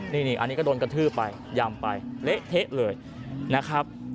นี่อันนี้ก็โดนกระทืบไปยำไปเละเทะเลยนะครับ